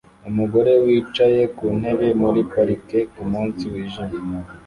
Umugore wicaye ku ntebe muri parike kumunsi wijimye